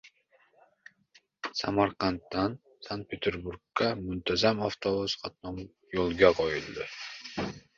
Samarqanddan Sankt-Peterburgga muntazam avtobus qatnovi yo‘lga qo‘yiladi